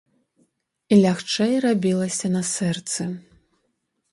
І лягчэй рабілася на сэрцы.